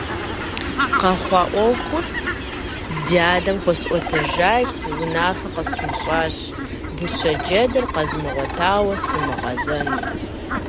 Къэхъуа Ӏуэхур ди адэм хуэсӀуэтэжати, унафэ къысхуищӀащ дыщэ джэдыр къэзмыгъуэтауэ сымыгъэзэну.